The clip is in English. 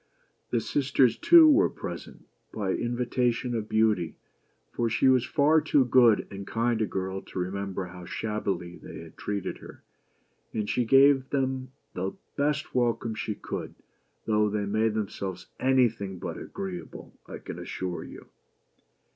The sisters, too, were present, by invitation of Beauty, for she was far too good and kind a girl to remember how shabbily they had treated her, and she gave them the best welcome she could, though they made themselves any thing but agreeable, I can assure you.